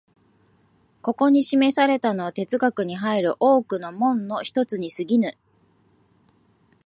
ここに示されたのは哲学に入る多くの門の一つに過ぎぬ。